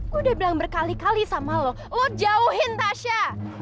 gue udah bilang berkali kali sama lo lo jauhin tasha